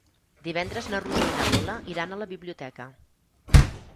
Divendres na Rosó i na Lola iran a la biblioteca.